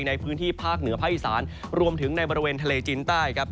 ในพื้นที่ภาคเหนือภาคอีสานรวมถึงในบริเวณทะเลจีนใต้ครับ